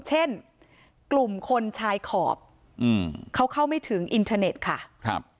เช่นกลุ่มคนชายขอบอืมเขาเข้าไม่ถึงอินเทอร์เน็ตค่ะครับ